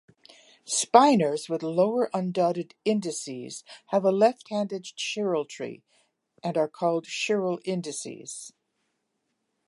Spinors with lower undotted indices have a left-handed chiralty, and are called chiral indices.